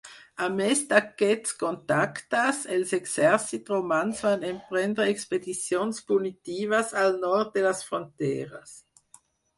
A més d'aquests contactes, els exèrcits romans van emprendre expedicions punitives al nord de les fronteres.